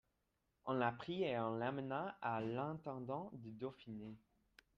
On la prit et on l'amena à l'intendant du Dauphiné.